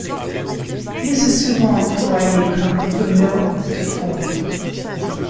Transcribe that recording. Ils sont souvent employés comme fumure de fond.